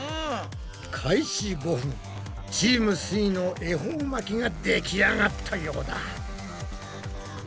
開始５分チームすイの恵方巻きができあがったようだ。